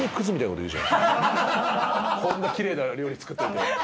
こんなきれいな料理作ってるのに。